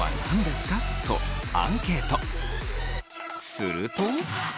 すると。